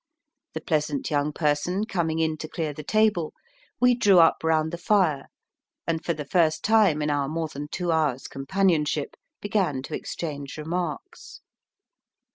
The pleasant young person coming in to clear the table, we drew up round the fire, and for the first time in our more than two hours' companionship began to exchange remarks.